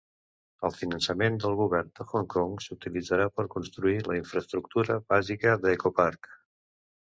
El finançament del govern de Hong Kong s'utilitzarà per construir la infraestructura bàsica d'EcoPark.